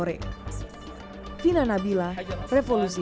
pembangunan museum nasional saudi